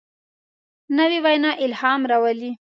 نوې وینا الهام راولي